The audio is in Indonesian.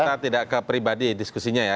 kita tidak ke pribadi diskusinya ya